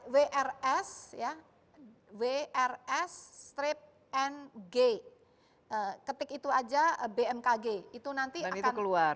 wrs ya wrs strip ng ketik itu aja bmkg itu nanti akan keluar